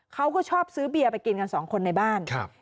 เขาก็ชอบซื้อเบียร์ไปกินกันสองคนในบ้าน